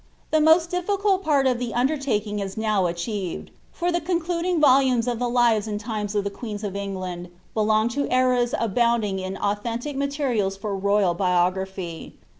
The most difficult part of the undertaking is now achieved ; for the concluding volumes of the lives and times of the queens of England belong to eras abounding in authentic materials for rojral biography.